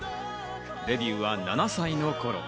デビューは７歳の頃。